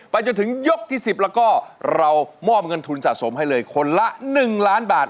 จนถึงยกที่๑๐แล้วก็เรามอบเงินทุนสะสมให้เลยคนละ๑ล้านบาท